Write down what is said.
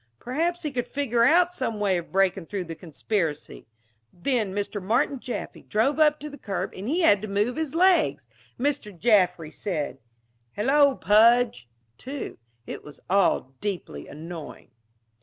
Perhaps he could figure out some way of breaking through the conspiracy. Then Mr. Martin Jaffry drove up to the curb and he had to move his legs. Mr. Jaffry said, "Hello, Pudge," too. It was all deeply annoying.